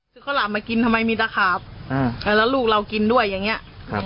เขาหลับมากินทำไมมีตะขาบแล้วลูกเรากินด้วยอย่างเงี้ย